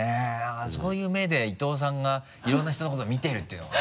そういう目で伊藤さんがいろんな人のこと見てるっていうのがね。